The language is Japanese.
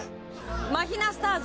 マヒナスターズ。